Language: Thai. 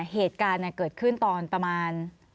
เหตุการณ์เกิดขึ้นตอนประมาณ